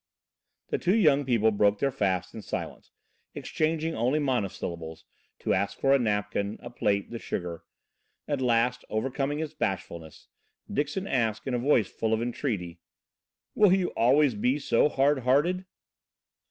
The two young people broke their fast in silence, exchanging only monosyllables, to ask for a napkin, a plate, the sugar. At last, overcoming his bashfulness Dixon asked in a voice full of entreaty: "Will you always be so hard hearted?"